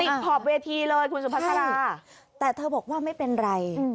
ขอบเวทีเลยคุณสุภาษาแต่เธอบอกว่าไม่เป็นไร